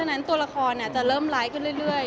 ข้างนั้นละคอนะจะเริ่มมี